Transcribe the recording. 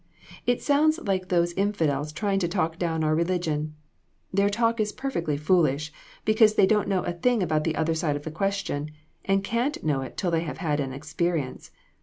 It sounds like those infidels trying to talk down our religion. Their talk is perfectly foolish, because they don't know a thing about the other side of the question, and can't know it till they have had an experience.